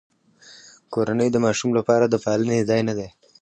کورنۍ د ماشوم لپاره د پالنې ځای نه دی.